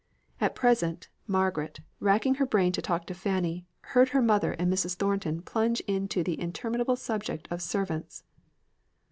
And presently, Margaret, racking her brain to talk to Fanny, heard her mother and Mrs. Thornton plunge into the interminable subject of servants.